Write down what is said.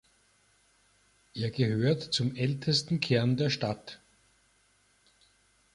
Er gehört zum ältesten Kern der Stadt.